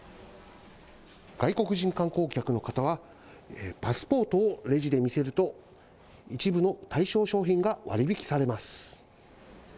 外国人観光客の方は、パスポートをレジで見せると、一部の対象商品が割引されます。